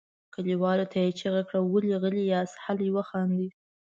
کليوالو ته یې چیغه کړه ولې غلي یاست هله وخاندئ.